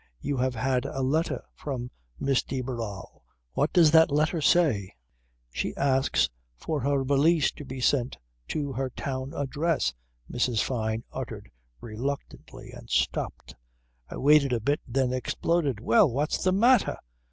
You have had a letter from Miss de Barral. What does that letter say?" "She asks for her valise to be sent to her town address," Mrs. Fyne uttered reluctantly and stopped. I waited a bit then exploded. "Well! What's the matter?